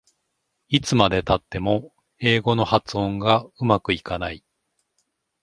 いつまでたっても英語の発音がうまくいかない